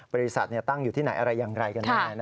บริษัทตั้งอยู่ที่ไหนอะไรอย่างไรกันแน่